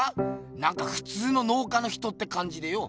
なんかふつうの農家の人ってかんじでよ。